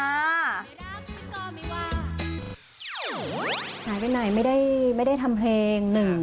หายไปไหนไม่ได้ทำเพลงหนึ่ง